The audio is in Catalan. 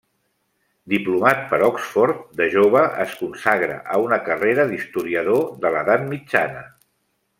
Diplomat per Oxford, de jove es consagra a una carrera d'historiador de l'Edat mitjana.